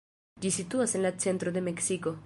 Ĝi situas en la centro de Meksiko.